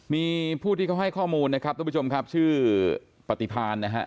มีผู้ที่เขาให้ข้อมูลนะครับทุกผู้ชมครับชื่อปฏิพาณนะฮะ